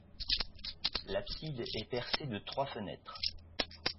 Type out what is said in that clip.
L'abside est percée de trois fenêtres.